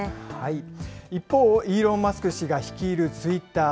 一方、イーロン・マスク氏が率いるツイッター。